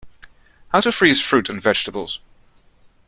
How to freeze fruit and vegetables.